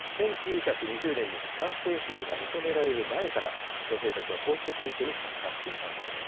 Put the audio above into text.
１９２０年に、参政権が認められる前から、女性たちはこうして選挙に参加していたのです。